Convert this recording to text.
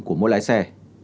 của mỗi lái xe